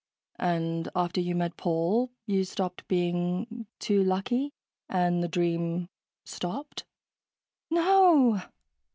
"And after you met Paul, you stopped being ... too lucky ... and the dream stopped?" "No!"